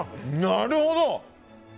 なるほど！